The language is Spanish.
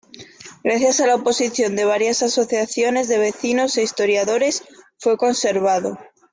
Gracias a la oposición de varias asociaciones de vecinos e historiadores, fue conservado.